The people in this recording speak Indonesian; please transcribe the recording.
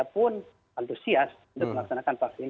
anak sl ta pun antusias untuk melaksanakan vaksin